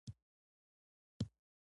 پراخوالی یې دوه لکه او شپاړس زره دی.